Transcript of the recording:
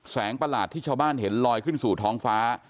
ประหลาดที่ชาวบ้านเห็นลอยขึ้นสู่ท้องฟ้า